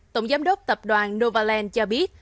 tổng giám đốc tập đoàn novaland cho biết